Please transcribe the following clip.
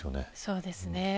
そうですね。